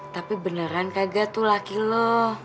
tapi beneran kagak tuh laki loh